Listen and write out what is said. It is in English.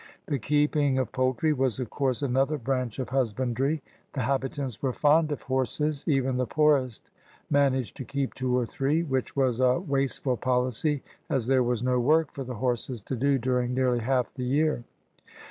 The keeping of poultry was, of course, another branch of husbandry. The habitants were fond of horses; even the poorest managed to keep two or three, which was a wasteful poliqy as there was no work for the horses^ to do during nearly half the year.